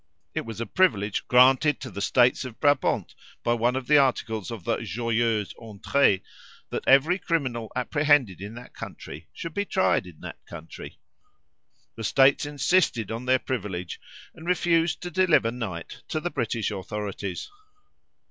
It was a privilege granted to the states of Brabant by one of the articles of the Joyeuse Entrée, that every criminal apprehended in that country should be tried in that country. The states insisted on their privilege, and refused to deliver Knight to the British authorities.